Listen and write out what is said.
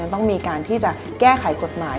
ต้องมีการที่จะแก้ไขกฎหมาย